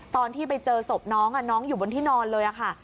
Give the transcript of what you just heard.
ตอนที่ไปเจอศพน้องน้องอยู่บนที่นอนเลยค่ะ